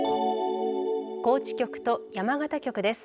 高知局と山形局です。